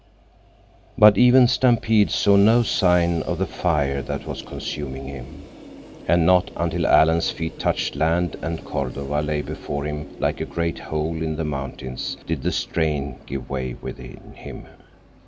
But even Stampede saw no sign of the fire that was consuming him. And not until Alan's feet touched land, and Cordova lay before him like a great hole in the mountains, did the strain give way within him.